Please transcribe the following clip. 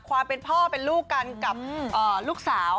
ความเป็นพ่อเป็นลูกกันกับลูกสาว